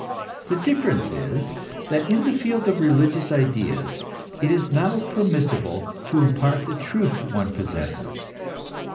The difference is that in the field of religious ideas it is now permissible to impart the truth one possesses.